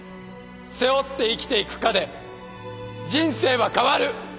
背負って生きていくかで人生は変わる！